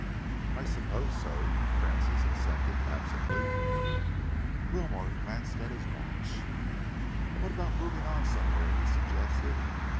"I suppose so," Francis assented absently. Wilmore glanced at his watch. "What about moving on somewhere?" he suggested.